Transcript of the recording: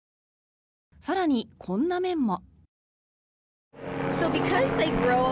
更に、こんな面も。